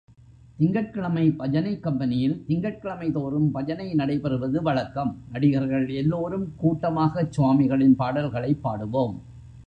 திங்கட்கிழமை பஜனை கம்பெனியில் திங்கட்கிழமைதோறும் பஜனை நடைபெறுவது வழக்கம், நடிகர்கள் எல்லோரும் கூட்டமாகச் சுவாமிகளின் பாடல்களைப் பாடுவோம்.